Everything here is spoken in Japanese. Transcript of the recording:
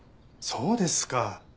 そうですか。